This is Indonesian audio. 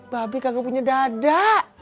babek kagak punya dada